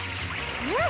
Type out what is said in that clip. うん！